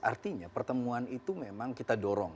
artinya pertemuan itu memang kita dorong